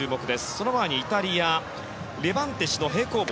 その前にイタリアレバンテシの平行棒。